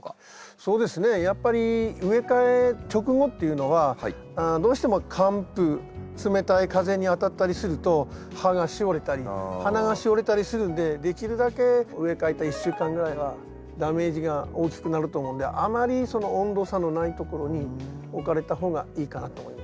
そうですねやっぱり植え替え直後っていうのはどうしても寒風冷たい風に当たったりすると葉がしおれたり花がしおれたりするんでできるだけ植え替えた１週間ぐらいはダメージが大きくなると思うんであまりその温度差のないところに置かれた方がいいかなと思います。